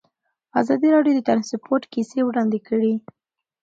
ازادي راډیو د ترانسپورټ کیسې وړاندې کړي.